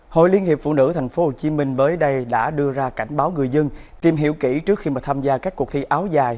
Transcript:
hội liên hiệp phụ nữ tp hcm mới đây đã đưa ra cảnh báo người dân tìm hiểu kỹ trước khi mà tham gia các cuộc thi áo dài